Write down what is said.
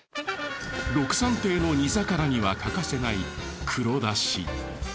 ろくさん亭の煮魚には欠かせない黒だし。